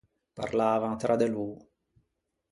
Parlavan tra de lô.